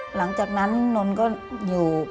หลังจากนั้นนนท์ก็อยู่